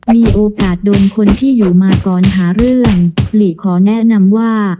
มีโอกาสโดนคนที่อยู่มาก่อนหาเรื่องหลีขอแนะนำว่า